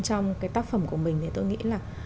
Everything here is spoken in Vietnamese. trong cái tác phẩm của mình thì tôi nghĩ là